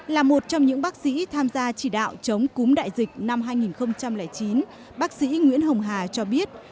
là một trong những bác sĩ tham gia chỉ đạo chống cúm đại dịch năm hai nghìn chín bác sĩ nguyễn hồng hà cho biết